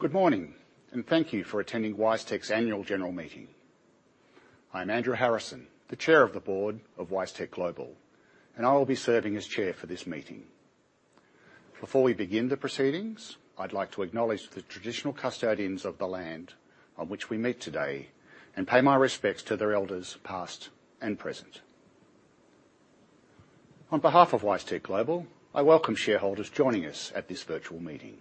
Good morning, thank you for attending WiseTech's annual general meeting. I'm Andrew Harrison, the Chair of the Board of WiseTech Global, and I will be serving as chair for this meeting. Before we begin the proceedings, I'd like to acknowledge the traditional custodians of the land on which we meet today and pay my respects to their elders past and present. On behalf of WiseTech Global, I welcome shareholders joining us at this virtual meeting.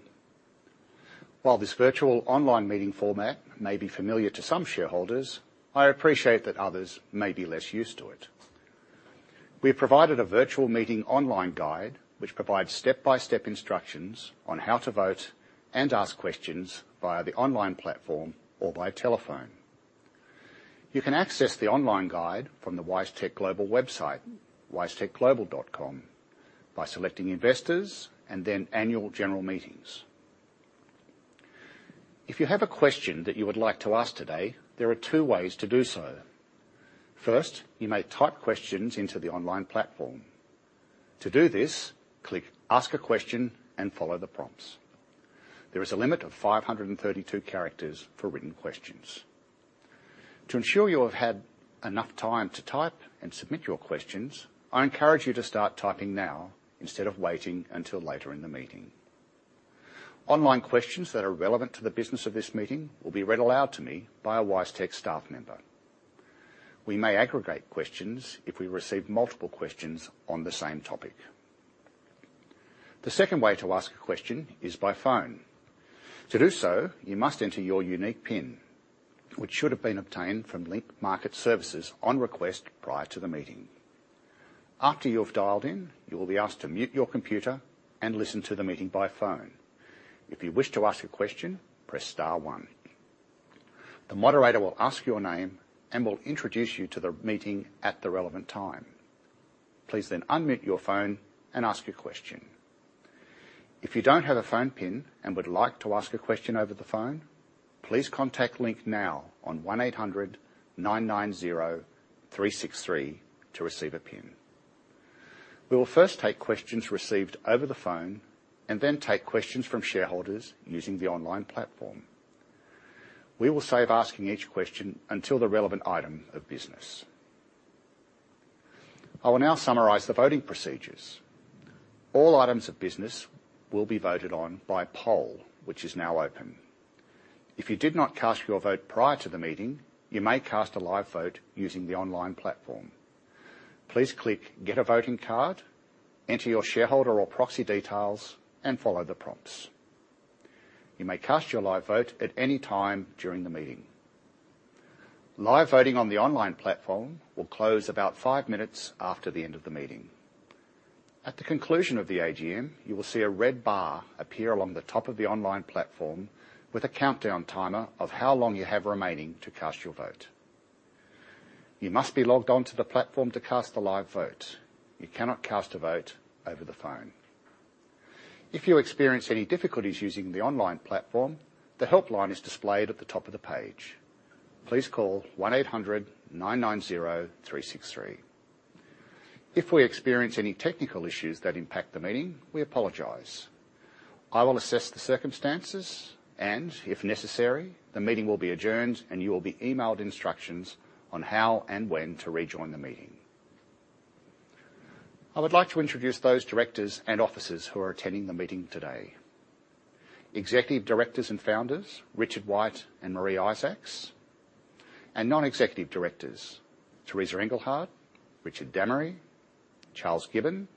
While this virtual online meeting format may be familiar to some shareholders, I appreciate that others may be less used to it. We have provided a virtual meeting online guide, which provides step-by-step instructions on how to vote and ask questions via the online platform or by telephone. You can access the online guide from the WiseTech Global website, wisetechglobal.com, by selecting Investors and then Annual General Meetings. If you have a question that you would like to ask today, there are two ways to do so. First, you may type questions into the online platform. To do this, click Ask a Question and follow the prompts. There is a limit of 532 characters for written questions. To ensure you have had enough time to type and submit your questions, I encourage you to start typing now instead of waiting until later in the meeting. Online questions that are relevant to the business of this meeting will be read aloud to me by a WiseTech staff member. We may aggregate questions if we receive multiple questions on the same topic. The second way to ask a question is by phone. To do so, you must enter your unique PIN, which should have been obtained from Link Market Services on request prior to the meeting. After you have dialed in, you will be asked to mute your computer and listen to the meeting by phone. If you wish to ask a question, press star one. The moderator will ask your name and will introduce you to the meeting at the relevant time. Please then unmute your phone and ask your question. If you don't have a phone PIN and would like to ask a question over the phone, please contact Link now on 1-800-990-363 to receive a PIN. We will first take questions received over the phone and then take questions from shareholders using the online platform. We will save asking each question until the relevant item of business. I will now summarize the voting procedures. All items of business will be voted on by poll, which is now open. If you did not cast your vote prior to the meeting, you may cast a live vote using the online platform. Please click Get a Voting Card, enter your shareholder or proxy details, and follow the prompts. You may cast your live vote at any time during the meeting. Live voting on the online platform will close about five minutes after the end of the meeting. At the conclusion of the AGM, you will see a red bar appear along the top of the online platform with a countdown timer of how long you have remaining to cast your vote. You must be logged on to the platform to cast a live vote. You cannot cast a vote over the phone. If you experience any difficulties using the online platform, the helpline is displayed at the top of the page. Please call 1-800-990-363. If we experience any technical issues that impact the meeting, we apologize. I will assess the circumstances, and if necessary, the meeting will be adjourned, and you will be emailed instructions on how and when to rejoin the meeting. I would like to introduce those directors and officers who are attending the meeting today. Executive directors and founders, Richard White and Maree Isaacs. Non-executive directors, Teresa Engelhard, Richard Dammery, Charles Gibbon,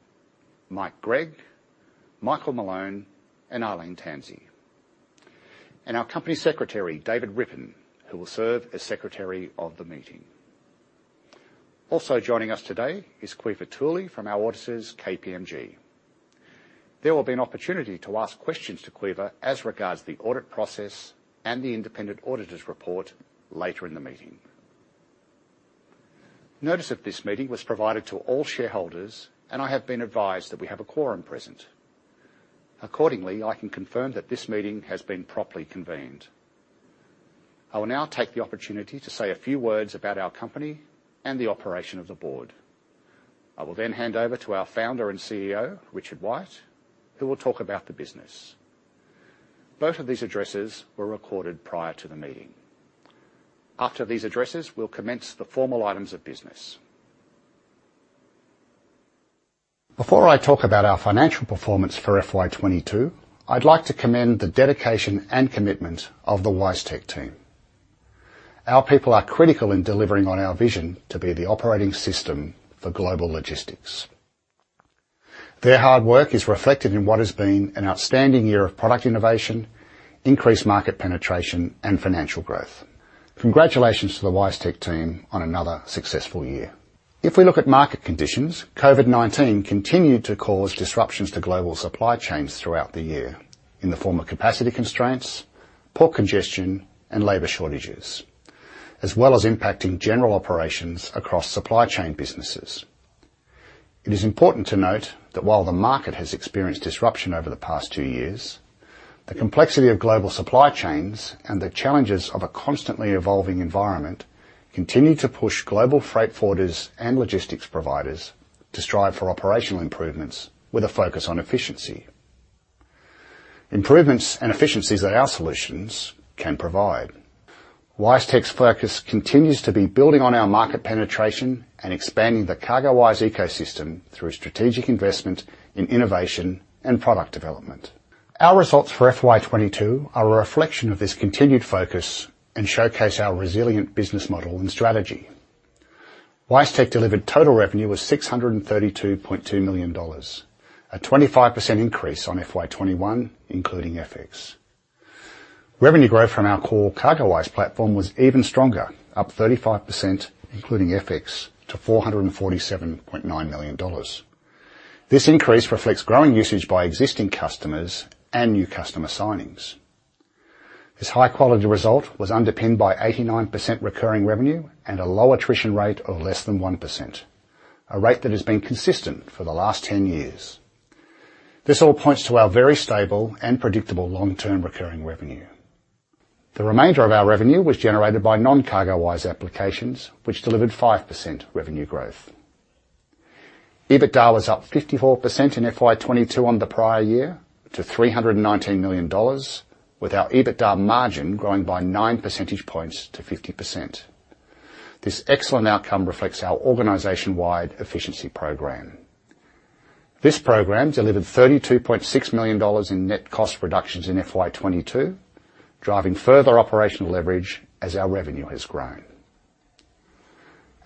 Mike Gregg, Michael Malone, and Arlene Tansey. Our company secretary, David Rippon, who will serve as secretary of the meeting. Also joining us today is Caoimhe Toouli from our auditors, KPMG. There will be an opportunity to ask questions to Caoimhe as regards the audit process and the independent auditor's report later in the meeting. Notice of this meeting was provided to all shareholders, and I have been advised that we have a quorum present. Accordingly, I can confirm that this meeting has been properly convened. I will now take the opportunity to say a few words about our company and the operation of the board. I will hand over to our founder and CEO, Richard White, who will talk about the business. Both of these addresses were recorded prior to the meeting. After these addresses, we'll commence the formal items of business. Before I talk about our financial performance for FY22, I'd like to commend the dedication and commitment of the WiseTech team. Our people are critical in delivering on our vision to be the operating system for global logistics. Their hard work is reflected in what has been an outstanding year of product innovation, increased market penetration, and financial growth. Congratulations to the WiseTech team on another successful year. If we look at market conditions, COVID-19 continued to cause disruptions to global supply chains throughout the year in the form of capacity constraints, port congestion, and labor shortages, as well as impacting general operations across supply chain businesses. It is important to note that while the market has experienced disruption over the past two years, the complexity of global supply chains and the challenges of a constantly evolving environment continue to push global freight forwarders and logistics providers to strive for operational improvements with a focus on efficiency. Improvements and efficiencies that our solutions can provide. WiseTech's focus continues to be building on our market penetration and expanding the CargoWise ecosystem through strategic investment in innovation and product development. Our results for FY22 are a reflection of this continued focus and showcase our resilient business model and strategy. WiseTech delivered total revenue was 632.2 million dollars, a 25% increase on FY21, including FX. Revenue growth from our core CargoWise platform was even stronger, up 35%, including FX, to 447.9 million dollars. This increase reflects growing usage by existing customers and new customer signings. This high-quality result was underpinned by 89% recurring revenue and a low attrition rate of less than 1%, a rate that has been consistent for the last 10 years. This all points to our very stable and predictable long-term recurring revenue. The remainder of our revenue was generated by non-CargoWise applications, which delivered 5% revenue growth. EBITDA was up 54% in FY22 on the prior year to 319 million dollars, with our EBITDA margin growing by 9 percentage points to 50%. This excellent outcome reflects our organization-wide efficiency program. This program delivered AUD 32.6 million in net cost reductions in FY22, driving further operational leverage as our revenue has grown.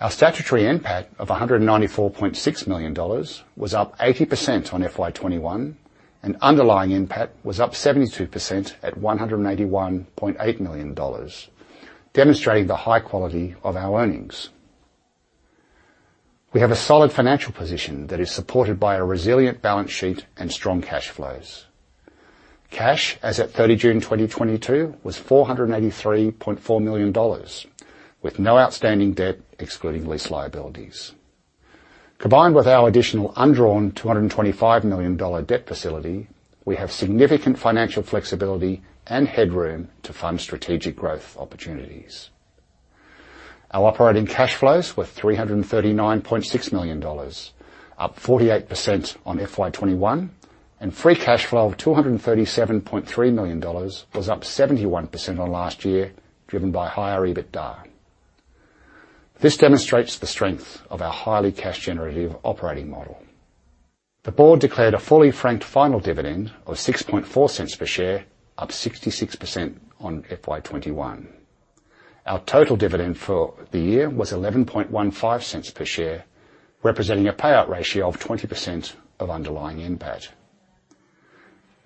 Our statutory NPAT of 194.6 million dollars was up 80% on FY21, and underlying NPAT was up 72% at 181.8 million dollars, demonstrating the high quality of our earnings. We have a solid financial position that is supported by a resilient balance sheet and strong cash flows. Cash as at 30 June 2022 was 483.4 million dollars, with no outstanding debt excluding lease liabilities. Combined with our additional undrawn AUD 225 million debt facility, we have significant financial flexibility and headroom to fund strategic growth opportunities. Our operating cash flows were AUD 339.6 million, up 48% on FY21, and free cash flow of AUD 237.3 million was up 71% on last year, driven by higher EBITDA. This demonstrates the strength of our highly cash generative operating model. The board declared a fully franked final dividend of 0.064 per share, up 66% on FY21. Our total dividend for the year was 0.1115 per share, representing a payout ratio of 20% of underlying NPAT.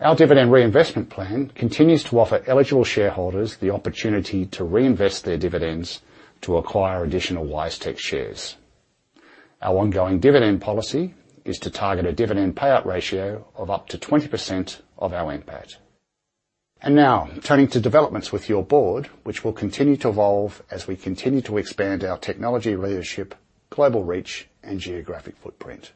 Our dividend reinvestment plan continues to offer eligible shareholders the opportunity to reinvest their dividends to acquire additional WiseTech shares. Our ongoing dividend policy is to target a dividend payout ratio of up to 20% of our NPAT. Now, turning to developments with your board, which will continue to evolve as we continue to expand our technology leadership, global reach, and geographic footprint.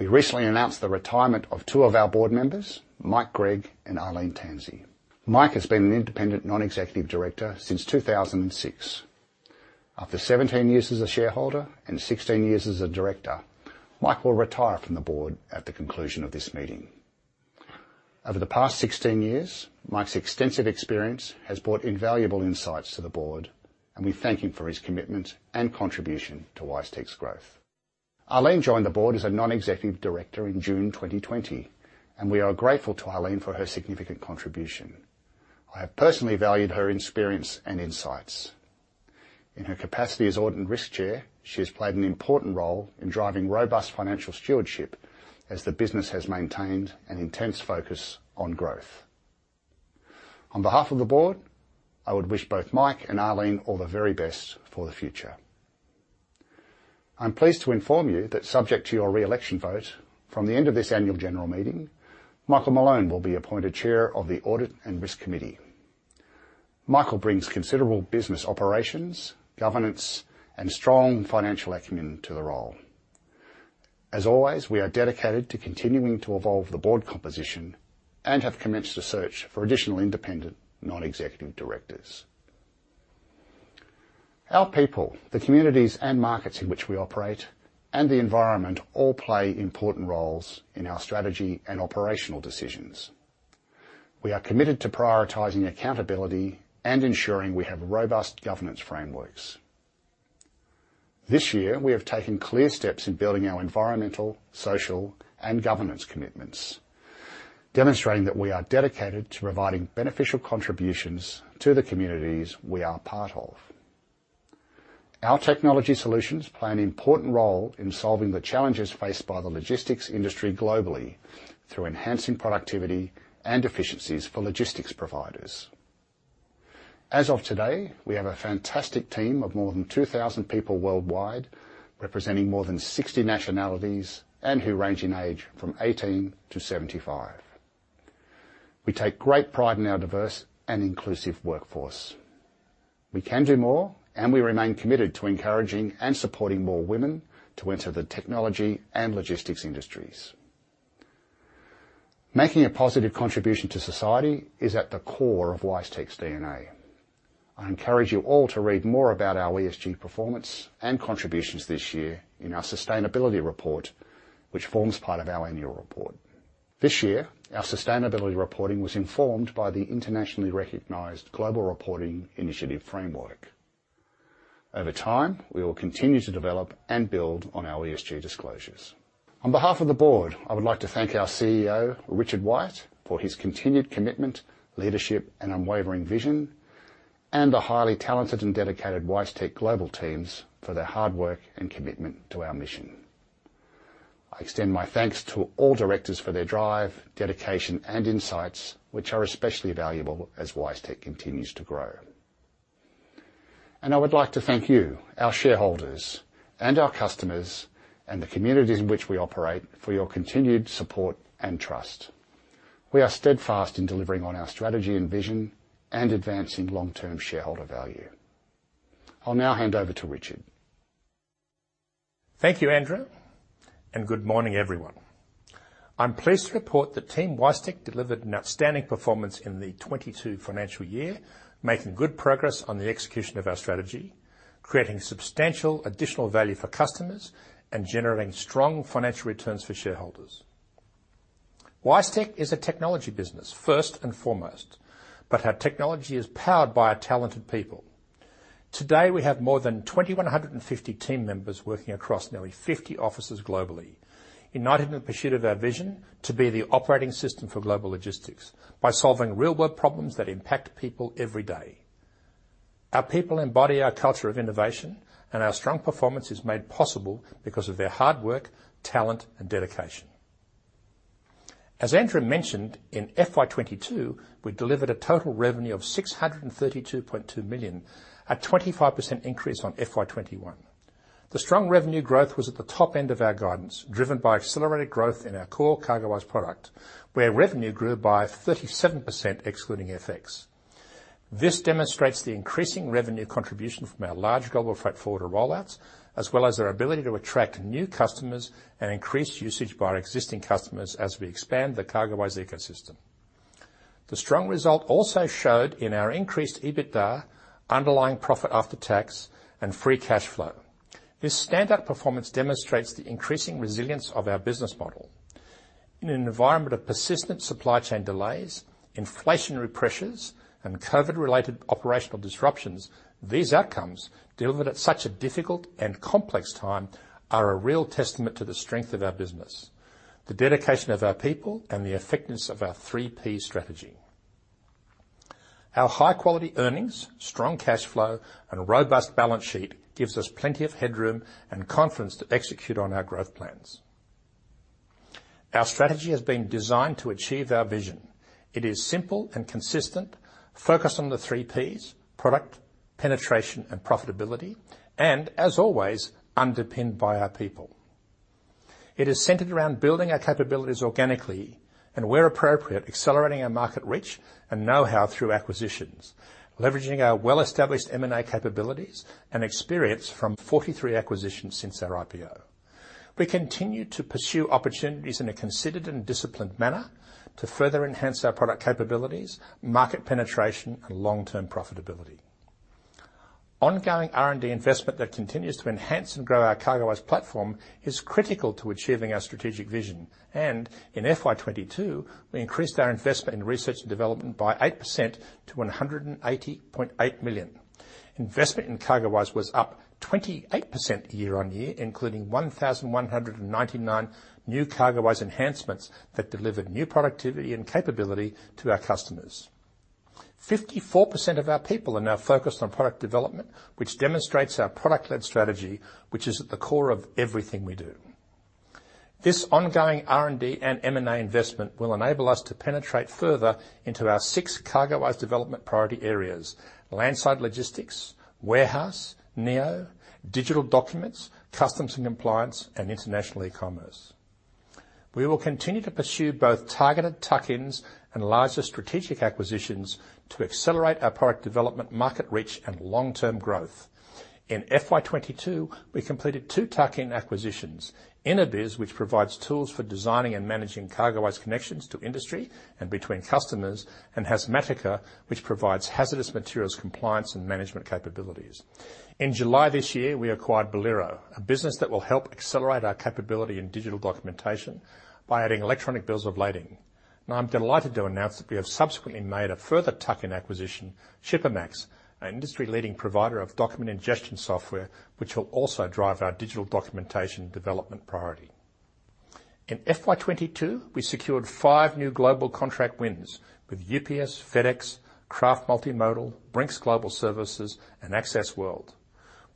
We recently announced the retirement of two of our board members, Mike Gregg and Arlene Tansey. Mike has been an independent non-executive director since 2006. After 17 years as a shareholder and 16 years as a director, Mike will retire from the board at the conclusion of this meeting. Over the past 16 years, Mike's extensive experience has brought invaluable insights to the board, and we thank him for his commitment and contribution to WiseTech's growth. Arlene joined the board as a non-executive director in June 2020, and we are grateful to Arlene for her significant contribution. I have personally valued her experience and insights. In her capacity as audit and risk chair, she has played an important role in driving robust financial stewardship as the business has maintained an intense focus on growth. On behalf of the board, I would wish both Mike and Arlene all the very best for the future. I'm pleased to inform you that subject to your re-election vote, from the end of this annual general meeting, Michael Malone will be appointed chair of the Audit and Risk Committee. Michael brings considerable business operations, governance, and strong financial acumen to the role. As always, we are dedicated to continuing to evolve the board composition and have commenced a search for additional independent non-executive directors. Our people, the communities and markets in which we operate, and the environment all play important roles in our strategy and operational decisions. We are committed to prioritizing accountability and ensuring we have robust governance frameworks. This year, we have taken clear steps in building our environmental, social, and governance commitments, demonstrating that we are dedicated to providing beneficial contributions to the communities we are part of. Our technology solutions play an important role in solving the challenges faced by the logistics industry globally through enhancing productivity and efficiencies for logistics providers. As of today, we have a fantastic team of more than 2,000 people worldwide, representing more than 60 nationalities and who range in age from 18 to 75. We take great pride in our diverse and inclusive workforce. We remain committed to encouraging and supporting more women to enter the technology and logistics industries. Making a positive contribution to society is at the core of WiseTech's DNA. I encourage you all to read more about our ESG performance and contributions this year in our sustainability report, which forms part of our annual report. This year, our sustainability reporting was informed by the internationally recognized Global Reporting Initiative framework. Over time, we will continue to develop and build on our ESG disclosures. On behalf of the board, I would like to thank our CEO, Richard White, for his continued commitment, leadership, and unwavering vision, and the highly talented and dedicated WiseTech Global teams for their hard work and commitment to our mission. I extend my thanks to all directors for their drive, dedication, and insights, which are especially valuable as WiseTech continues to grow. I would like to thank you, our shareholders and our customers and the communities in which we operate, for your continued support and trust. We are steadfast in delivering on our strategy and vision and advancing long-term shareholder value. I'll now hand over to Richard. Thank you, Andrew. Good morning, everyone. I'm pleased to report that team WiseTech delivered an outstanding performance in the 2022 financial year, making good progress on the execution of our strategy, creating substantial additional value for customers, and generating strong financial returns for shareholders. WiseTech is a technology business first and foremost. Our technology is powered by our talented people. Today, we have more than 2,150 team members working across nearly 50 offices globally, united in the pursuit of our vision to be the operating system for global logistics by solving real-world problems that impact people every day. Our people embody our culture of innovation. Our strong performance is made possible because of their hard work, talent, and dedication. As Andrew mentioned, in FY22, we delivered a total revenue of 632.2 million, a 25% increase on FY21. The strong revenue growth was at the top end of our guidance, driven by accelerated growth in our core CargoWise product, where revenue grew by 37% excluding FX. This demonstrates the increasing revenue contribution from our large global freight forwarder rollouts, as well as our ability to attract new customers and increase usage by our existing customers as we expand the CargoWise ecosystem. The strong result also showed in our increased EBITDA, underlying profit after tax, and free cash flow. This standout performance demonstrates the increasing resilience of our business model. In an environment of persistent supply chain delays, inflationary pressures, and COVID-related operational disruptions, these outcomes, delivered at such a difficult and complex time, are a real testament to the strength of our business, the dedication of our people, and the effectiveness of our 3Ps strategy. Our high-quality earnings, strong cash flow, and robust balance sheet gives us plenty of headroom and confidence to execute on our growth plans. Our strategy has been designed to achieve our vision. It is simple and consistent, focused on the 3Ps: product, penetration, and profitability, and as always, underpinned by our people. It is centered around building our capabilities organically and where appropriate, accelerating our market reach and know-how through acquisitions, leveraging our well-established M&A capabilities and experience from 43 acquisitions since our IPO. We continue to pursue opportunities in a considered and disciplined manner to further enhance our product capabilities, market penetration, and long-term profitability. Ongoing R&D investment that continues to enhance and grow our CargoWise platform is critical to achieving our strategic vision, and in FY22, we increased our investment in research and development by 8% to 180.8 million. Investment in CargoWise was up 28% year on year, including 1,199 new CargoWise enhancements that delivered new productivity and capability to our customers. 54% of our people are now focused on product development, which demonstrates our product-led strategy, which is at the core of everything we do. This ongoing R&D and M&A investment will enable us to penetrate further into our six CargoWise development priority areas: landside logistics, warehouse, neo, digital documents, customs and compliance, and international e-commerce. We will continue to pursue both targeted tuck-ins and larger strategic acquisitions to accelerate our product development, market reach, and long-term growth. In FY22, we completed two tuck-in acquisitions, Inobiz, which provides tools for designing and managing CargoWise connections to industry and between customers, and Hazmatica, which provides hazardous materials compliance and management capabilities. In July this year, we acquired Bolero, a business that will help accelerate our capability in digital documentation by adding electronic bills of lading. I'm delighted to announce that we have subsequently made a further tuck-in acquisition, Shipamax, an industry-leading provider of document ingestion software, which will also drive our digital documentation development priority. In FY22, we secured five new global contract wins with UPS, FedEx, Fracht Multimodal, Brink's Global Services, and Access World.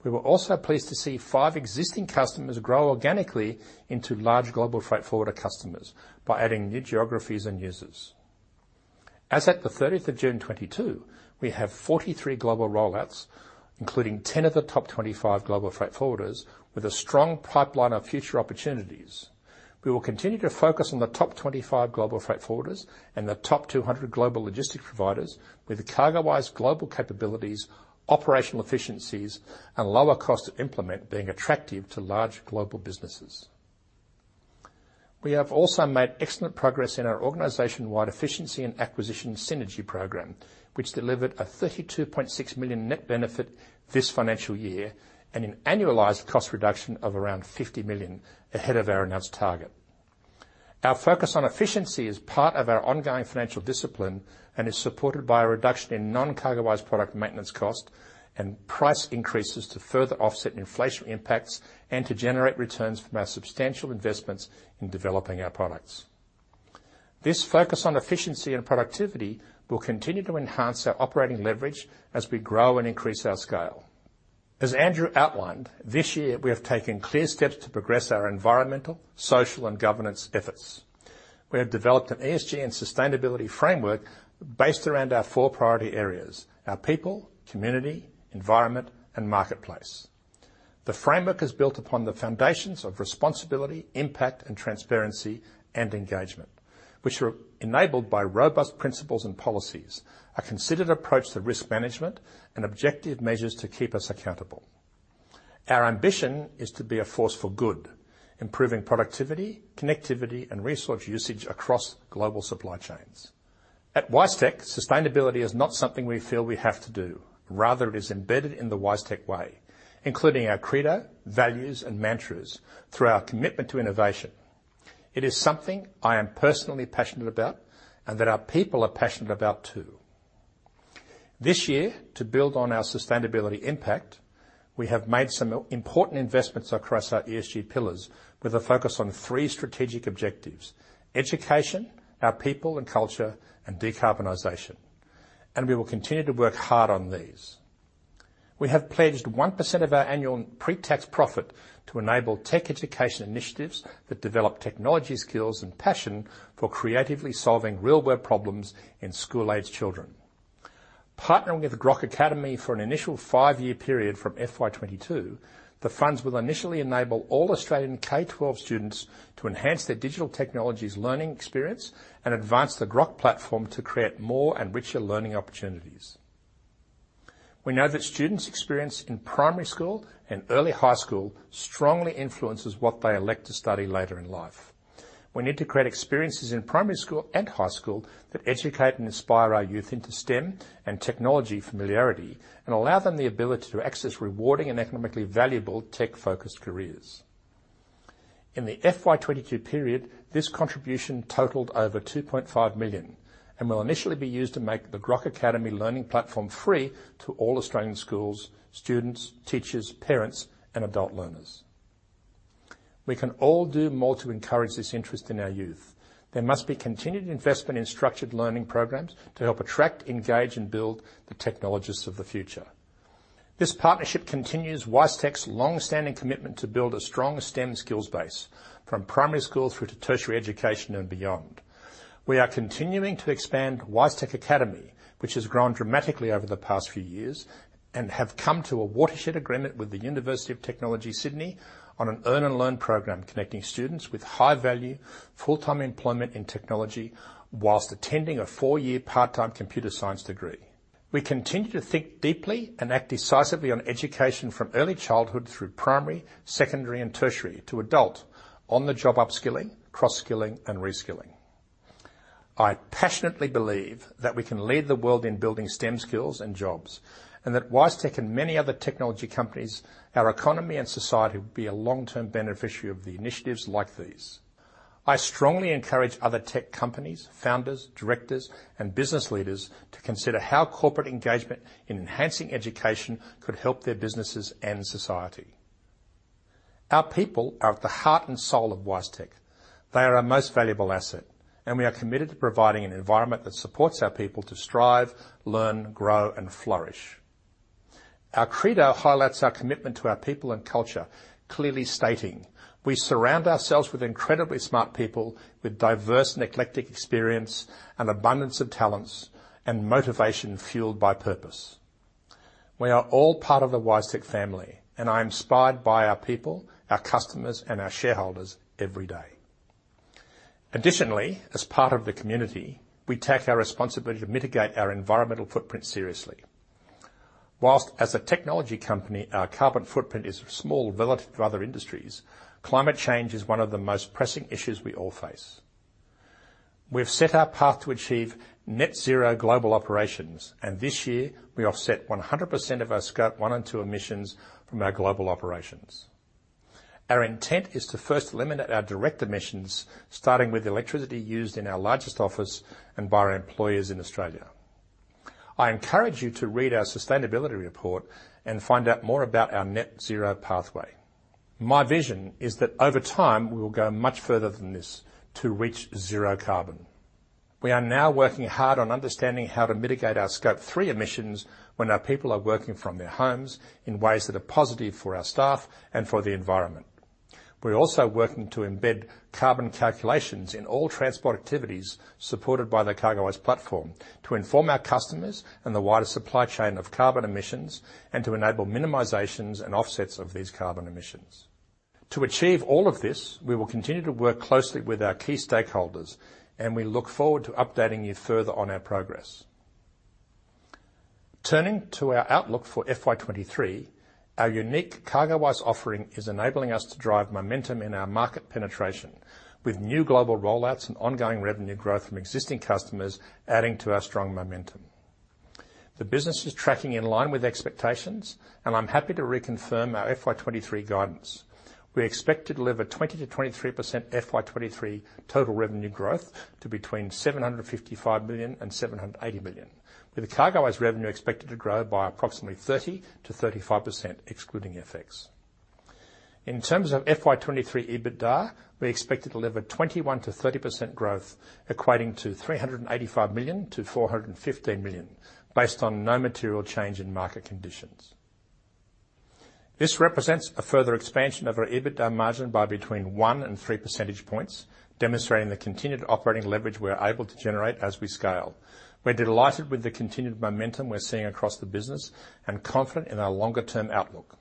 We were also pleased to see five existing customers grow organically into large global freight forwarder customers by adding new geographies and users. As at the 30th of June 2022, we have 43 global rollouts, including 10 of the top 25 global freight forwarders with a strong pipeline of future opportunities. We will continue to focus on the top 25 global freight forwarders and the top 200 global logistics providers with CargoWise global capabilities, operational efficiencies, and lower cost to implement being attractive to large global businesses. We have also made excellent progress in our organization-wide efficiency and acquisition synergy program, which delivered a 32.6 million net benefit this financial year, and an annualized cost reduction of around 50 million ahead of our announced target. Our focus on efficiency is part of our ongoing financial discipline and is supported by a reduction in non-CargoWise product maintenance cost and price increases to further offset inflationary impacts and to generate returns from our substantial investments in developing our products. This focus on efficiency and productivity will continue to enhance our operating leverage as we grow and increase our scale. As Andrew outlined, this year, we have taken clear steps to progress our environmental, social, and governance efforts. We have developed an ESG and sustainability framework based around our four priority areas: our people, community, environment, and marketplace. The framework is built upon the foundations of responsibility, impact, and transparency, and engagement, which are enabled by robust principles and policies, a considered approach to risk management, and objective measures to keep us accountable. Our ambition is to be a force for good, improving productivity, connectivity, and resource usage across global supply chains. At WiseTech, sustainability is not something we feel we have to do. Rather, it is embedded in the WiseTech way, including our credo, values, and mantras through our commitment to innovation. It is something I am personally passionate about and that our people are passionate about, too. This year, to build on our sustainability impact, we have made some important investments across our ESG pillars with a focus on three strategic objectives: education, our people and culture, and decarbonization. We will continue to work hard on these. We have pledged 1% of our annual pre-tax profit to enable tech education initiatives that develop technology skills and passion for creatively solving real-world problems in school-aged children. Partnering with Grok Academy for an initial five-year period from FY22, the funds will initially enable all Australian K-12 students to enhance their digital technologies learning experience and advance the Grok platform to create more and richer learning opportunities. We know that students' experience in primary school and early high school strongly influences what they elect to study later in life. We need to create experiences in primary school and high school that educate and inspire our youth into STEM and technology familiarity and allow them the ability to access rewarding and economically valuable tech-focused careers. In the FY22 period, this contribution totaled over 2.5 million and will initially be used to make the Grok Academy learning platform free to all Australian schools, students, teachers, parents, and adult learners. We can all do more to encourage this interest in our youth. There must be continued investment in structured learning programs to help attract, engage, and build the technologists of the future. This partnership continues WiseTech's long-standing commitment to build a strong STEM skills base from primary school through to tertiary education and beyond. We are continuing to expand WiseTech Academy, which has grown dramatically over the past few years and have come to a watershed agreement with the University of Technology Sydney on an earn and learn program, connecting students with high-value full-time employment in technology while attending a 4-year part-time computer science degree. We continue to think deeply and act decisively on education from early childhood through primary, secondary, and tertiary to adult on-the-job upskilling, cross-skilling, and reskilling. I passionately believe that we can lead the world in building STEM skills and jobs, and that WiseTech and many other technology companies, our economy and society, will be a long-term beneficiary of the initiatives like these. I strongly encourage other tech companies, founders, directors, and business leaders to consider how corporate engagement in enhancing education could help their businesses and society. Our people are the heart and soul of WiseTech. They are our most valuable asset, and we are committed to providing an environment that supports our people to strive, learn, grow, and flourish. Our credo highlights our commitment to our people and culture, clearly stating, "We surround ourselves with incredibly smart people with diverse and eclectic experience and abundance of talents and motivation fueled by purpose." We are all part of the WiseTech family, and I am inspired by our people, our customers, and our shareholders every day. Additionally, as part of the community, we take our responsibility to mitigate our environmental footprint seriously. Whilst as a technology company, our carbon footprint is small relative to other industries, climate change is one of the most pressing issues we all face. We've set our path to achieve net zero global operations, and this year, we offset 100% of our Scope one and two emissions from our global operations. Our intent is to first eliminate our direct emissions, starting with the electricity used in our largest office and by our employers in Australia. I encourage you to read our sustainability report and find out more about our net zero pathway. My vision is that over time, we will go much further than this to reach zero carbon. We are now working hard on understanding how to mitigate our scope 3 emissions when our people are working from their homes in ways that are positive for our staff and for the environment. We're also working to embed carbon calculations in all transport activities supported by the CargoWise platform to inform our customers and the wider supply chain of carbon emissions and to enable minimizations and offsets of these carbon emissions. To achieve all of this, we will continue to work closely with our key stakeholders. We look forward to updating you further on our progress. Turning to our outlook for FY23, our unique CargoWise offering is enabling us to drive momentum in our market penetration with new global rollouts and ongoing revenue growth from existing customers adding to our strong momentum. The business is tracking in line with expectations. I'm happy to reconfirm our FY23 guidance. We expect to deliver 20%-23% FY23 total revenue growth to between 755 million and 780 million, with the CargoWise revenue expected to grow by approximately 30%-35%, excluding FX. In terms of FY23 EBITDA, we expect to deliver 21%-30% growth, equating to 385 million to 415 million based on no material change in market conditions. This represents a further expansion of our EBITDA margin by between 1 and 3 percentage points, demonstrating the continued operating leverage we are able to generate as we scale. We're delighted with the continued momentum we're seeing across the business and confident in our longer-term outlook.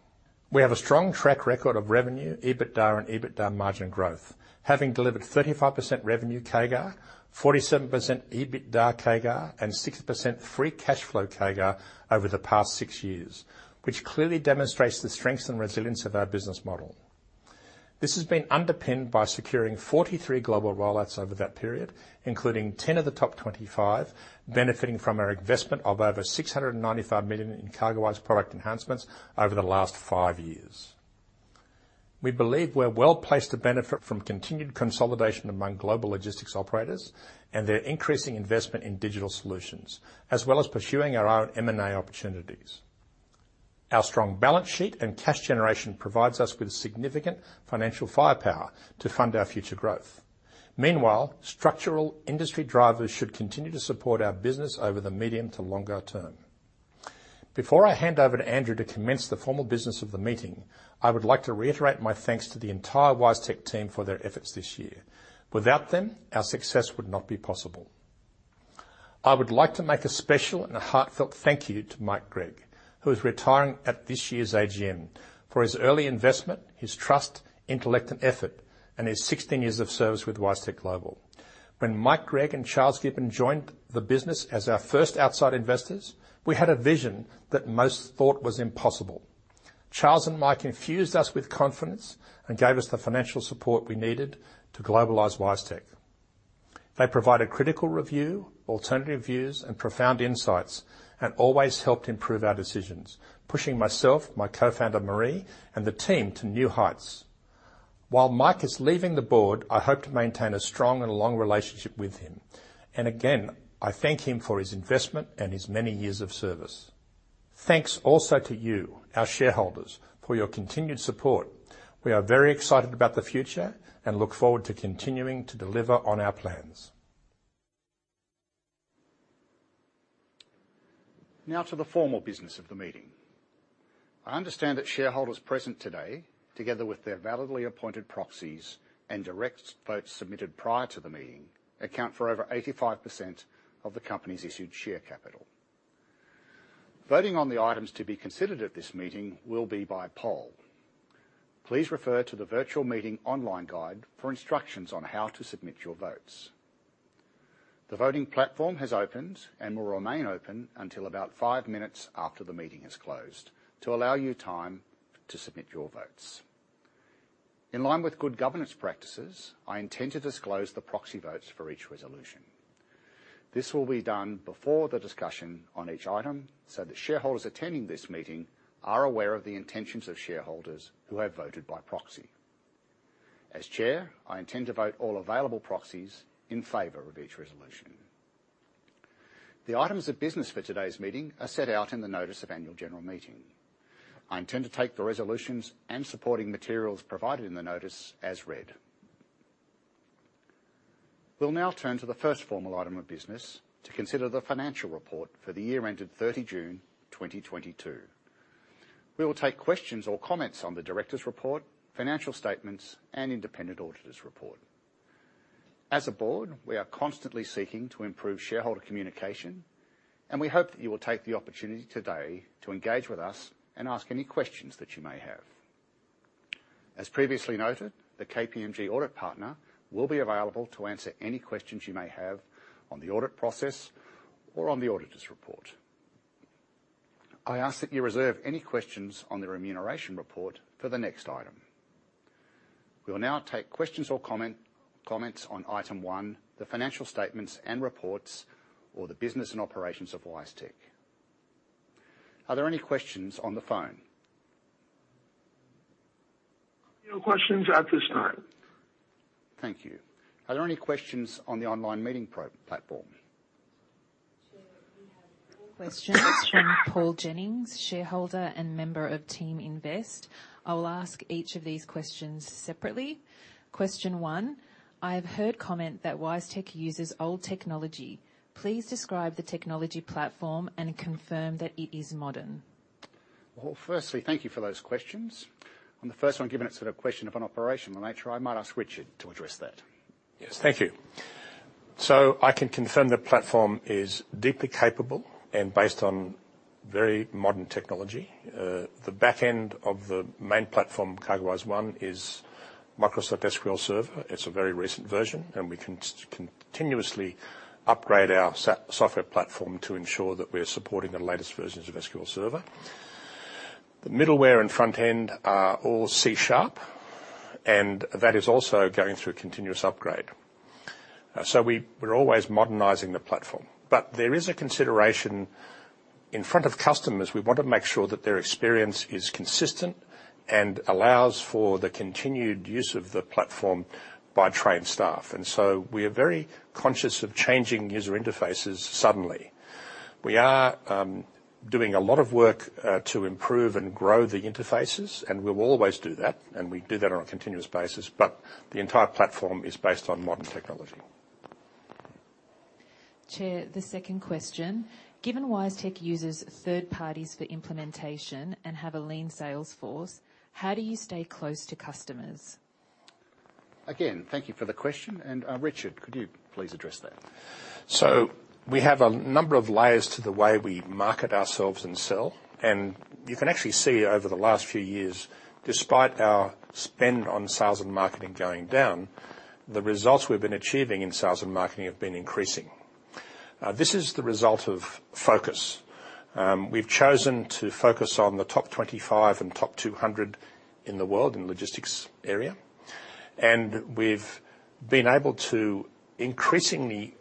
We have a strong track record of revenue, EBITDA and EBITDA margin growth, having delivered 35% revenue CAGR, 47% EBITDA CAGR, and 6% free cash flow CAGR over the past six years, which clearly demonstrates the strength and resilience of our business model. This has been underpinned by securing 43 global rollouts over that period, including 10 of the top 25 benefiting from our investment of over 695 million in CargoWise product enhancements over the last five years. We believe we're well-placed to benefit from continued consolidation among global logistics operators and their increasing investment in digital solutions, as well as pursuing our own M&A opportunities. Our strong balance sheet and cash generation provides us with significant financial firepower to fund our future growth. Meanwhile, structural industry drivers should continue to support our business over the medium to longer term. Before I hand over to Andrew to commence the formal business of the meeting, I would like to reiterate my thanks to the entire WiseTech team for their efforts this year. Without them, our success would not be possible. I would like to make a special and a heartfelt thank you to Mike Gregg, who is retiring at this year's AGM for his early investment, his trust, intellect, and effort, and his 16 years of service with WiseTech Global. When Mike Gregg and Charles Gibbon joined the business as our first outside investors, we had a vision that most thought was impossible. Charles and Mike infused us with confidence and gave us the financial support we needed to globalize WiseTech. They provided critical review, alternative views, and profound insights and always helped improve our decisions, pushing myself, my co-founder Maree, and the team to new heights. While Mike is leaving the board, I hope to maintain a strong and long relationship with him, and again, I thank him for his investment and his many years of service. Thanks also to you, our shareholders, for your continued support. We are very excited about the future and look forward to continuing to deliver on our plans. Now to the formal business of the meeting. I understand that shareholders present today, together with their validly appointed proxies and direct votes submitted prior to the meeting, account for over 85% of the company's issued share capital. Voting on the items to be considered at this meeting will be by poll. Please refer to the virtual meeting online guide for instructions on how to submit your votes. The voting platform has opened and will remain open until about 5 minutes after the meeting is closed to allow you time to submit your votes. In line with good governance practices, I intend to disclose the proxy votes for each resolution. This will be done before the discussion on each item so that shareholders attending this meeting are aware of the intentions of shareholders who have voted by proxy. As chair, I intend to vote all available proxies in favor of each resolution. The items of business for today's meeting are set out in the notice of annual general meeting. I intend to take the resolutions and supporting materials provided in the notice as read. We'll now turn to the first formal item of business to consider the financial report for the year ended 30 June 2022. We will take questions or comments on the directors' report, financial statements, and independent auditor's report. As a board, we are constantly seeking to improve shareholder communication. We hope that you will take the opportunity today to engage with us and ask any questions that you may have. As previously noted, the KPMG audit partner will be available to answer any questions you may have on the audit process or on the auditor's report. I ask that you reserve any questions on the remuneration report for the next item. We will now take questions or comments on item one the financial statements and reports or the business and operations of WiseTech. Are there any questions on the phone? No questions at this time. Thank you. Are there any questions on the online meeting platform? Sure. We have four questions from Paul Jennings, shareholder and member of Team Invest. I will ask each of these questions separately. Question one, I have heard comment that WiseTech uses old technology. Please describe the technology platform and confirm that it is modern. Well, firstly, thank you for those questions. On the first one, given it's sort of question of an operational nature, I might ask Richard to address that. Yes. Thank you. I can confirm the platform is deeply capable and based on very modern technology. The back end of the main platform, CargoWise One, is Microsoft SQL Server. It's a very recent version, and we continuously upgrade our software platform to ensure that we're supporting the latest versions of SQL Server. The middleware and front end are all C-sharp, and that is also going through a continuous upgrade. We're always modernizing the platform. There is a consideration. In front of customers, we want to make sure that their experience is consistent and allows for the continued use of the platform by trained staff. We are very conscious of changing user interfaces suddenly. We are doing a lot of work to improve and grow the interfaces, and we will always do that, and we do that on a continuous basis. The entire platform is based on modern technology. Chair, the second question: given WiseTech uses third parties for implementation and have a lean sales force, how do you stay close to customers? Again, thank you for the question. Richard, could you please address that? We have a number of layers to the way we market ourselves and sell. You can actually see over the last few years, despite our spend on sales and marketing going down, the results we've been achieving in sales and marketing have been increasing. This is the result of focus. We've chosen to focus on the top 25 and top 200 in the world in logistics area. We've been able to increasingly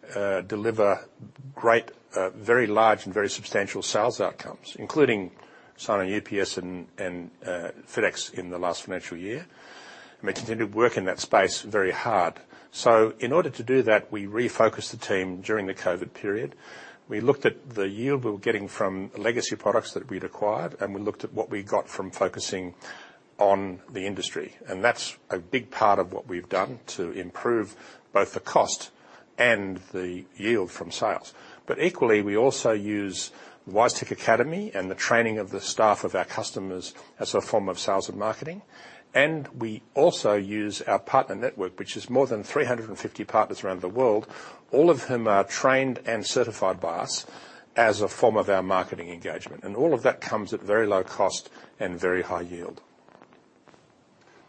deliver great, very large and very substantial sales outcomes, including signing UPS and FedEx in the last financial year. I mean, continue to work in that space very hard. In order to do that, we refocused the team during the COVID period. We looked at the yield we were getting from legacy products that we'd acquired. We looked at what we got from focusing on the industry. That's a big part of what we've done to improve both the cost and the yield from sales. Equally, we also use WiseTech Academy and the training of the staff of our customers as a form of sales and marketing. We also use our partner network, which is more than 350 partners around the world, all of whom are trained and certified by us as a form of our marketing engagement. All of that comes at very low cost and very high yield.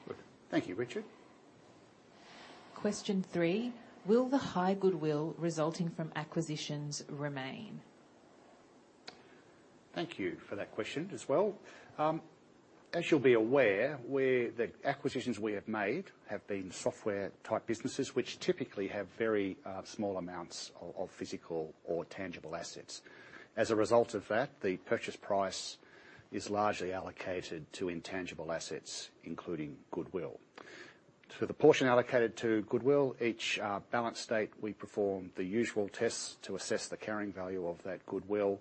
Good. Thank you, Richard. Question three, will the high goodwill resulting from acquisitions remain? Thank you for that question as well. As you'll be aware, the acquisitions we have made have been software-type businesses, which typically have very small amounts of physical or tangible assets. As a result of that, the purchase price is largely allocated to intangible assets, including goodwill. For the portion allocated to goodwill, each balance date, we perform the usual tests to assess the carrying value of that goodwill.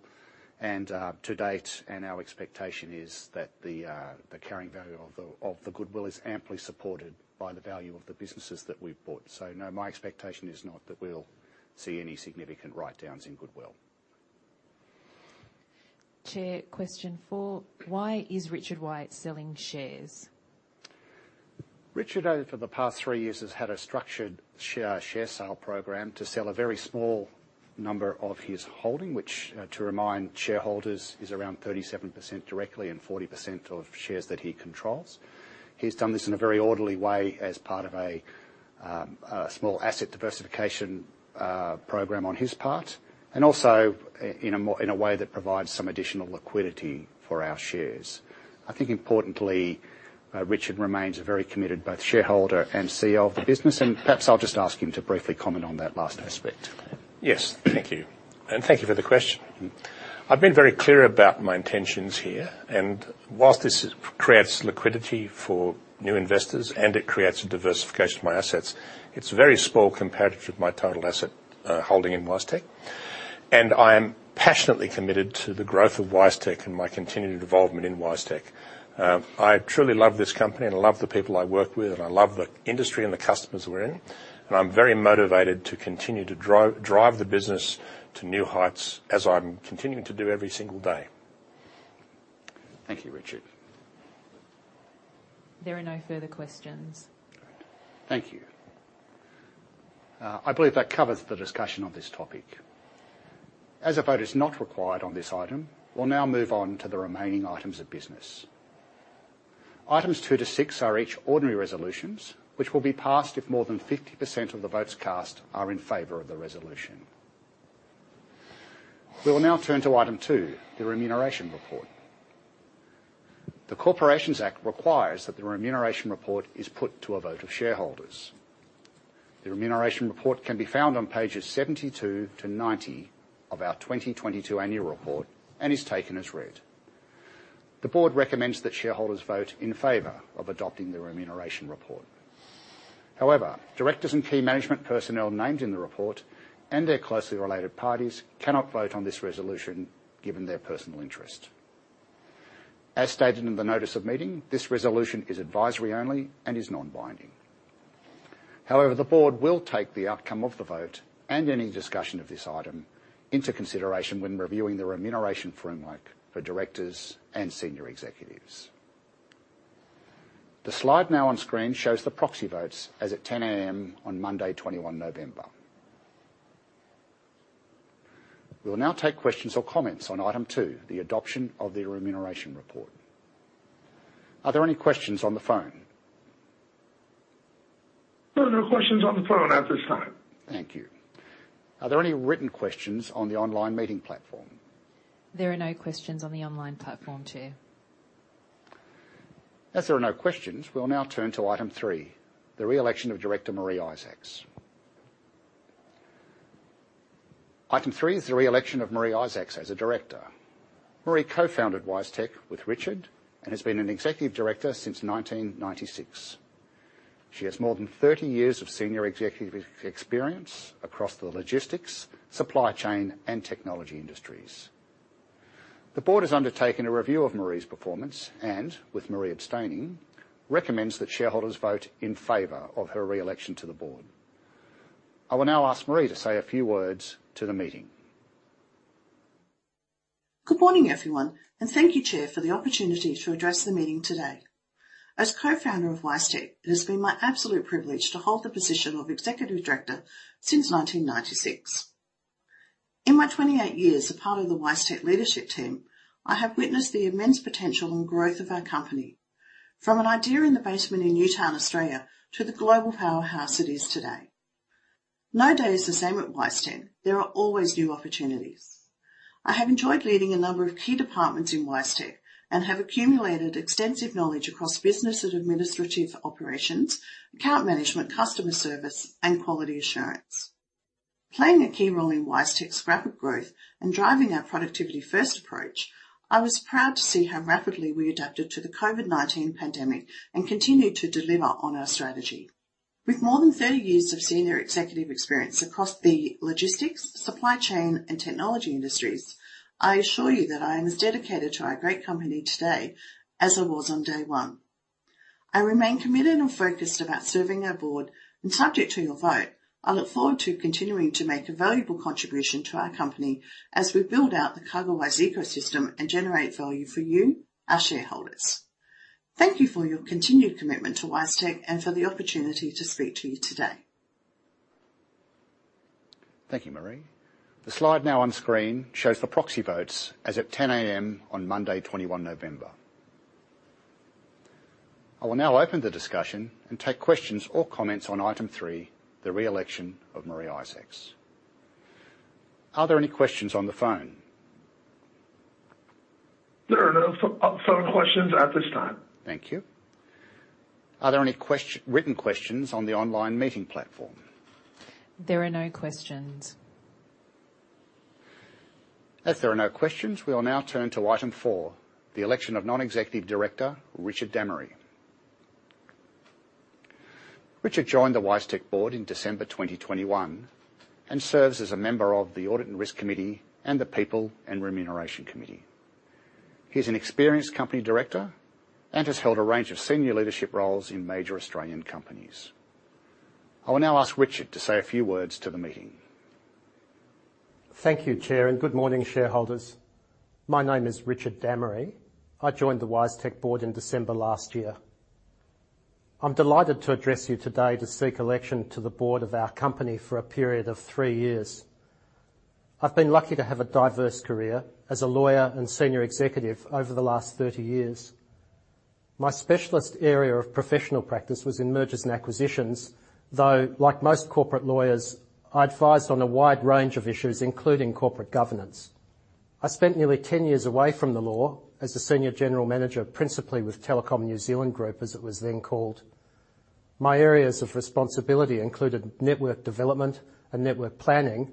To date, and our expectation is that the carrying value of the goodwill is amply supported by the value of the businesses that we've bought. No, my expectation is not that we'll see any significant writedowns in goodwill. Chair, question four, why is Richard White selling shares? Richard over the past three years has had a structured share sale program to sell a very small number of his holding, which, to remind shareholders, is around 37% directly and 40% of shares that he controls. He's done this in a very orderly way as part of a small asset diversification program on his part and also in a way that provides some additional liquidity for our shares. I think importantly, Richard remains a very committed both shareholder and CEO of the business. Perhaps I'll just ask him to briefly comment on that last aspect. Yes. Thank you for the question. I've been very clear about my intentions here. Whilst this creates liquidity for new investors and it creates a diversification of my assets, it's very small compared with my total asset holding in WiseTech. I am passionately committed to the growth of WiseTech and my continued involvement in WiseTech. I truly love this company and I love the people I work with, and I love the industry and the customers we're in, and I'm very motivated to continue to drive the business to new heights as I'm continuing to do every single day. Thank you, Richard. There are no further questions. Thank you. I believe that covers the discussion on this topic. As a vote is not required on this item, we'll now move on to the remaining items of business. Items 2 to 6 are each ordinary resolutions, which will be passed if more than 50% of the votes cast are in favor of the resolution. We will now turn to Item 2, the remuneration report. The Corporations Act requires that the remuneration report is put to a vote of shareholders. The remuneration report can be found on pages 72 to 90 of our 2022 annual report and is taken as read. The Board recommends that shareholders vote in favor of adopting the remuneration report. However, directors and key management personnel named in the report and their closely related parties cannot vote on this resolution given their personal interest. As stated in the notice of meeting, this resolution is advisory only and is non-binding. However, the board will take the outcome of the vote and any discussion of this item into consideration when reviewing the remuneration framework for directors and senior executives. The slide now on screen shows the proxy votes as at 10:00 A.M. on Monday, 21 November. We'll now take questions or comments on item 2, the adoption of the remuneration report. Are there any questions on the phone? There are no questions on the phone at this time. Thank you. Are there any written questions on the online meeting platform? There are no questions on the online platform, Chair. As there are no questions, we'll now turn to item 3: the reelection of Director Maree Isaacs. Item 3 is the reelection of Maree Isaacs as a director. Maree co-founded WiseTech with Richard and has been an executive director since 1996. She has more than 30 years of senior executive experience across the logistics, supply chain, and technology industries. The board has undertaken a review of Maree's performance and, with Maree abstaining, recommends that shareholders vote in favor of her reelection to the board. I will now ask Maree to say a few words to the meeting. Good morning, everyone, and thank you, Chair, for the opportunity to address the meeting today. As co-founder of WiseTech, it has been my absolute privilege to hold the position of Executive Director since 1996. In my 28 years as part of the WiseTech leadership team, I have witnessed the immense potential and growth of our company from an idea in the basement in Newtown, Australia, to the global powerhouse it is today. No day is the same at WiseTech. There are always new opportunities. I have enjoyed leading a number of key departments in WiseTech and have accumulated extensive knowledge across business and administrative operations, account management, customer service, and quality assurance. Playing a key role in WiseTech's rapid growth and driving our productivity-first approach, I was proud to see how rapidly we adapted to the COVID-19 pandemic and continued to deliver on our strategy. With more than 30 years of senior executive experience across the logistics, supply chain, and technology industries, I assure you that I am as dedicated to our great company today as I was on day 1. I remain committed and focused about serving our board and subject to your vote, I look forward to continuing to make a valuable contribution to our company as we build out the CargoWise ecosystem and generate value for you, our shareholders. Thank you for your continued commitment to WiseTech and for the opportunity to speak to you today. Thank you, Maree. The slide now on screen shows the proxy votes as at 10:00 A.M. on Monday, 21 November. I will now open the discussion and take questions or comments on item 3, the reelection of Maree Isaacs. Are there any questions on the phone? There are no phone questions at this time. Thank you. Are there any written questions on the online meeting platform? There are no questions. If there are no questions, we will now turn to item 4, the election of Non-Executive Director Richard Dammery. Richard joined the WiseTech board in December 2021 and serves as a member of the Audit and Risk Committee and the People & Remuneration Committee. He's an experienced company director and has held a range of senior leadership roles in major Australian companies. I will now ask Richard to say a few words to the meeting. Thank you, Chair. Good morning, shareholders. My name is Richard Dammery. I joined the WiseTech board in December last year. I'm delighted to address you today to seek election to the board of our company for a period of three years. I've been lucky to have a diverse career as a lawyer and senior executive over the last 30 years. My specialist area of professional practice was in mergers and acquisitions, though like most corporate lawyers, I advised on a wide range of issues, including corporate governance. I spent nearly 10 years away from the law as the senior general manager, principally with Telecom New Zealand Group, as it was then called. My areas of responsibility included network development and network planning.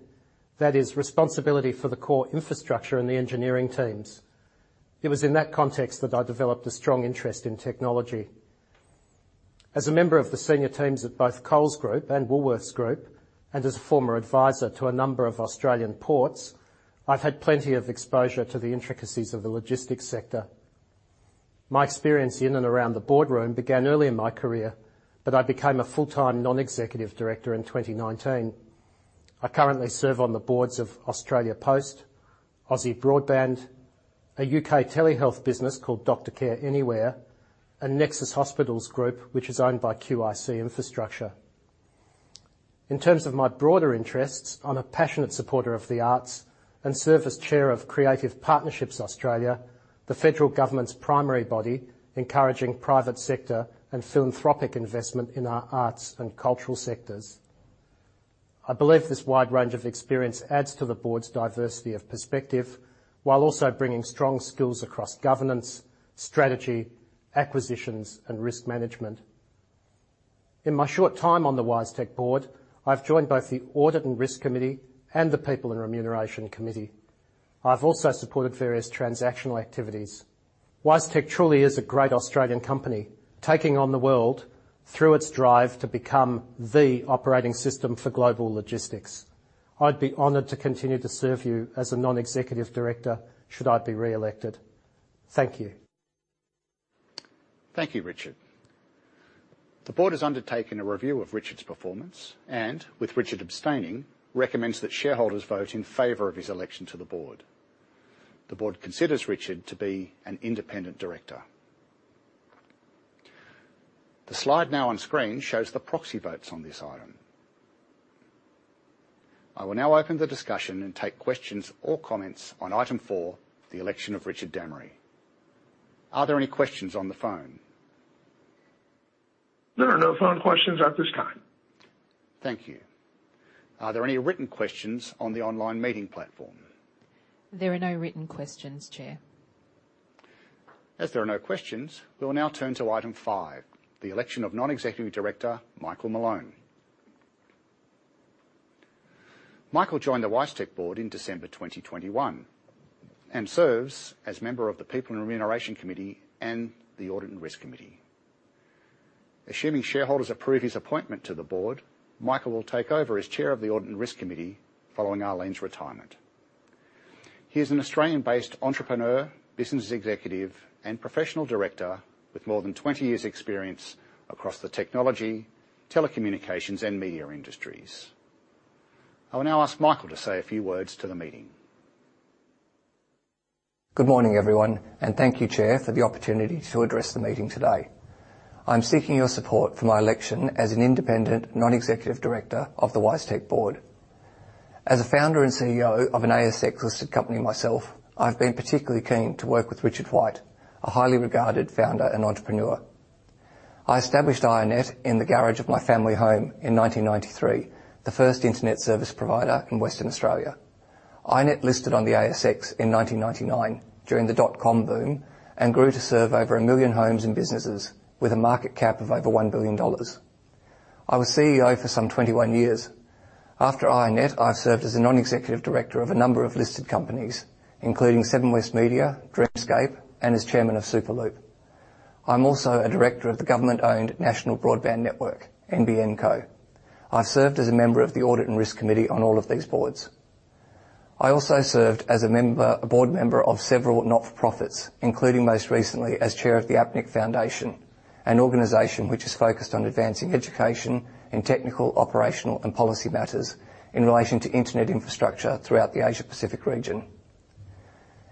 That is responsibility for the core infrastructure and the engineering teams. It was in that context that I developed a strong interest in technology. As a member of the senior teams at both Coles Group and Woolworths Group, and as a former advisor to a number of Australian ports, I've had plenty of exposure to the intricacies of the logistics sector. My experience in and around the boardroom began early in my career, but I became a full-time non-executive director in 2019. I currently serve on the boards of Australia Post, Aussie Broadband, a UK telehealth business called Doctor Care Anywhere, and Nexus Hospitals Group, which is owned by QIC Infrastructure. In terms of my broader interests, I'm a passionate supporter of the arts and serve as chair of Creative Partnerships Australia, the federal government's primary body, encouraging private sector and philanthropic investment in our arts and cultural sectors. I believe this wide range of experience adds to the board's diversity of perspective, while also bringing strong skills across governance, strategy, acquisitions, and risk management. In my short time on the WiseTech board, I've joined both the Audit and Risk Committee and the People and Remuneration Committee. I've also supported various transactional activities. WiseTech truly is a great Australian company, taking on the world through its drive to become the operating system for global logistics. I'd be honored to continue to serve you as a non-executive director, should I be reelected. Thank you. Thank you, Richard. The board has undertaken a review of Richard's performance and, with Richard abstaining, recommends that shareholders vote in favor of his election to the board. The board considers Richard to be an independent director. The slide now on screen shows the proxy votes on this item. I will now open the discussion and take questions or comments on item 4, the election of Richard Dammery. Are there any questions on the phone? There are no phone questions at this time. Thank you. Are there any written questions on the online meeting platform? There are no written questions, Chair. As there are no questions, we will now turn to item five, the election of Non-Executive Director Michael Malone. Michael joined the WiseTech board in December 2021 and serves as member of the People & Remuneration Committee and the Audit and Risk Committee. Assuming shareholders approve his appointment to the board, Michael will take over as Chair of the Audit and Risk Committee following Arlene's retirement. He is an Australian-based entrepreneur, business executive and professional director with more than 20 years' experience across the technology, telecommunications and media industries. I will now ask Michael to say a few words to the meeting. Good morning, everyone, thank you, Chair, for the opportunity to address the meeting today. I'm seeking your support for my election as an independent non-executive director of the WiseTech board. As a founder and CEO of an ASX-listed company myself, I've been particularly keen to work with Richard White, a highly regarded founder and entrepreneur. I established iiNet in the garage of my family home in 1993, the first internet service provider in Western Australia. iiNet listed on the ASX in 1999 during the dotcom boom and grew to serve over 1 million homes and businesses with a market cap of over 1 billion dollars. I was CEO for some 21 years. After iiNet, I served as a non-executive director of a number of listed companies, including Seven West Media, Dreamscape, and as Chairman of Superloop. I'm also a director of the government-owned national broadband network, NBN Co. I served as a member of the Audit and Risk Committee on all of these boards. I also served as a board member of several not-for-profits, including most recently as chair of the APNIC Foundation, an organization which is focused on advancing education in technical, operational and policy matters in relation to internet infrastructure throughout the Asia Pacific region.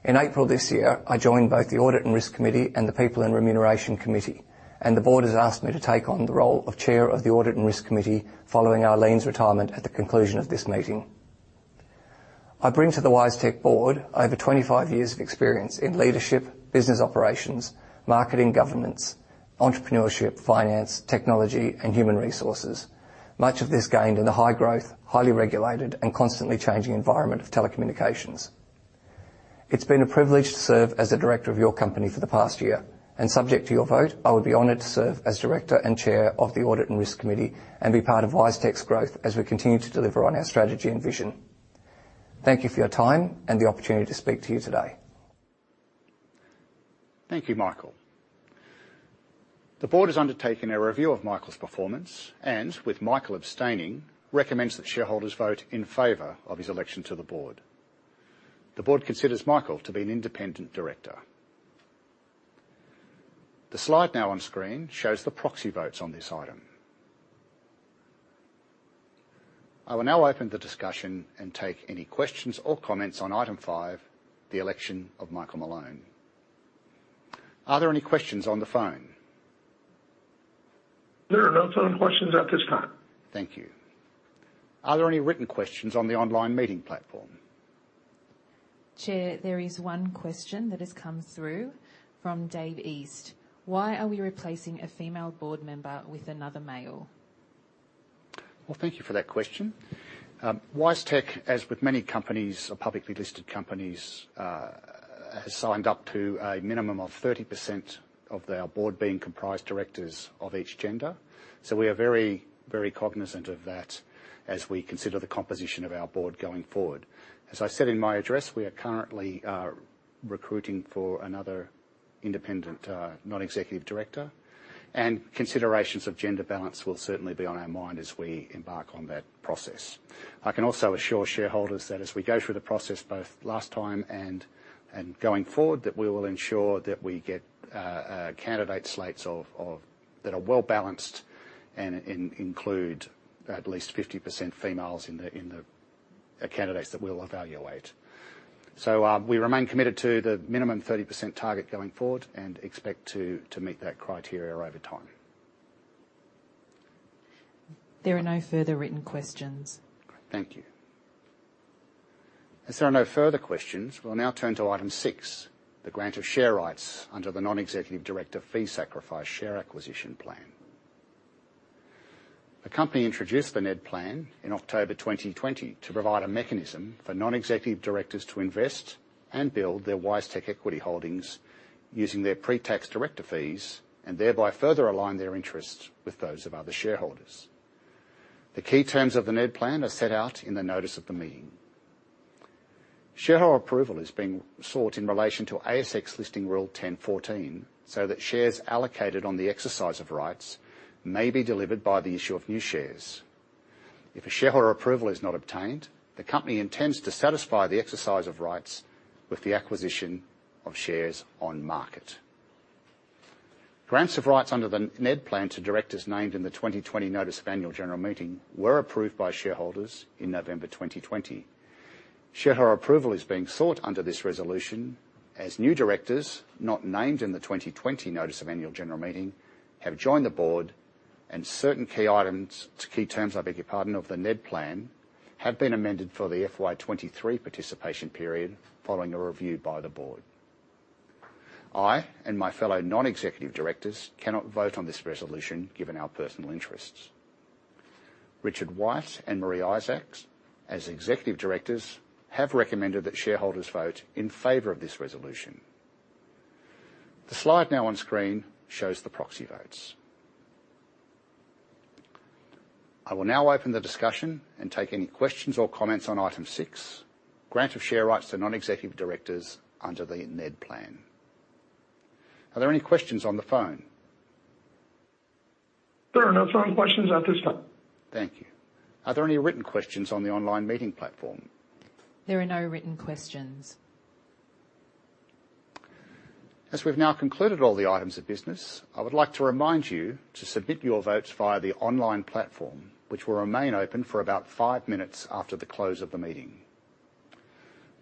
In April this year, I joined both the Audit and Risk Committee and the People and Remuneration Committee. The board has asked me to take on the role of Chair of the Audit and Risk Committee following Arlene's retirement at the conclusion of this meeting. I bring to the WiseTech board over 25 years of experience in leadership, business operations, marketing, governments, entrepreneurship, finance, technology and human resources. Much of this gained in the high growth, highly regulated and constantly changing environment of telecommunications. It's been a privilege to serve as a director of your company for the past year, and subject to your vote, I would be honored to serve as director and Chair of the Audit and Risk Committee and be part of WiseTech's growth as we continue to deliver on our strategy and vision. Thank you for your time and the opportunity to speak to you today. Thank you, Michael. The Board has undertaken a review of Michael's performance and, with Michael abstaining, recommends that shareholders vote in favor of his election to the Board. The Board considers Michael to be an independent director. The slide now on screen shows the proxy votes on this item. I will now open the discussion and take any questions or comments on item 5, the election of Michael Malone. Are there any questions on the phone? There are no phone questions at this time. Thank you. Are there any written questions on the online meeting platform? Chair, there is one question that has come through from Dave East. Why are we replacing a female board member with another male? Well, thank you for that question. WiseTech, as with many companies or publicly listed companies, has signed up to a minimum of 30% of their board being comprised directors of each gender. We are very, very cognizant of that as we consider the composition of our board going forward. As I said in my address, we are currently recruiting for another independent non-executive director, considerations of gender balance will certainly be on our mind as we embark on that process. I can also assure shareholders that as we go through the process both last time and going forward, that we will ensure that we get candidate slates that are well-balanced and include at least 50% females in the candidates that we'll evaluate. We remain committed to the minimum 30% target going forward and expect to meet that criteria over time. There are no further written questions. Thank you. As there are no further questions, we will now turn to item six, the grant of share rights under the Non-Executive Director Fee Sacrifice Share Acquisition Plan. The company introduced the NED Plan in October 2020 to provide a mechanism for non-executive directors to invest and build their WiseTech equity holdings using their pre-tax director fees and thereby further align their interests with those of other shareholders. The key terms of the NED Plan are set out in the notice of the meeting. Shareholder approval is being sought in relation to ASX Listing Rule 10.14 so that shares allocated on the exercise of rights may be delivered by the issue of new shares. If a shareholder approval is not obtained, the company intends to satisfy the exercise of rights with the acquisition of shares on market. Grants of rights under the NED Plan to directors named in the 2020 notice of Annual General Meeting were approved by shareholders in November 2020. Shareholder approval is being sought under this resolution as new directors not named in the 2020 notice of Annual General Meeting have joined the board and certain key terms, I beg your pardon, of the NED Plan have been amended for the FY23 participation period following a review by the board. I and my fellow non-executive directors cannot vote on this resolution given our personal interests. Richard White and Maree Isaacs, as executive directors, have recommended that shareholders vote in favor of this resolution. The slide now on screen shows the proxy votes. I will now open the discussion and take any questions or comments on item 6, Grant of Share Rights to Non-Executive Directors under the NED Plan. Are there any questions on the phone? There are no phone questions at this time. Thank you. Are there any written questions on the online meeting platform? There are no written questions. As we've now concluded all the items of business, I would like to remind you to submit your votes via the online platform, which will remain open for about 5 minutes after the close of the meeting.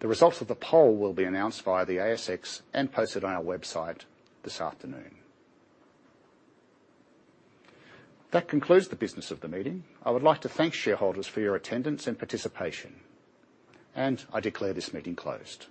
The results of the poll will be announced via the ASX and posted on our website this afternoon. That concludes the business of the meeting. I would like to thank shareholders for your attendance and participation. I declare this meeting closed.